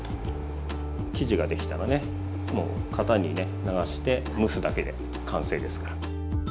生地ができたらねもう型にね流して蒸すだけで完成ですから。